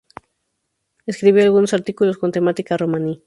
Escribió algunos artículos con temática romaní.